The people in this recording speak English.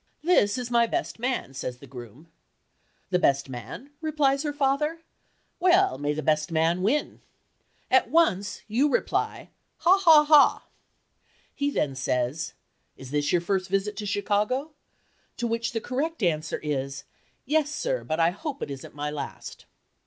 "This is my best man," says the groom. "The best man?" replies her father. "Well, may the best man win." At once you reply, "Ha! Ha! Ha!" He then says, "Is this your first visit to Chicago?" to which the correct answer is, "Yes, sir, but I hope it isn't my last."